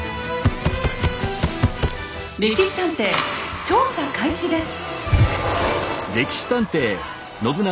「歴史探偵」調査開始です。